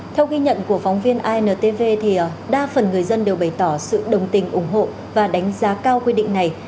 theo ghi nhận của phóng viên intv thì đa phần người dân đều bày tỏ sự đồng tình ủng hộ và đánh giá cao quy định này